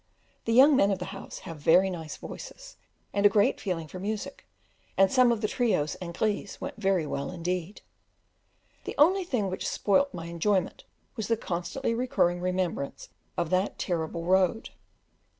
The young men of the house have nice voices and a great feeling for music, and some of the trios and glees went very well indeed. The only thing which spoilt my enjoyment was the constantly recurring remembrance of that terrible road.